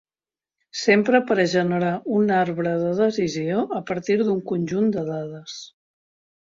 S'empra per a generar un arbre de decisió a partir d'un conjunt de dades.